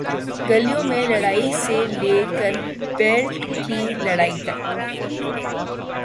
گلیوں میں لڑائی سے لے کر بیلٹ کی لڑائی تک،